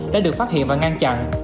đã được phát hiện và ngăn chặn